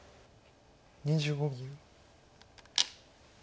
２５秒。